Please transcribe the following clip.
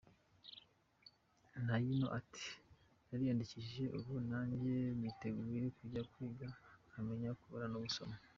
Nayino ati “Nariyandikishije ubu najye niteguye kujya kwiga nkamenya kubara no gusoma.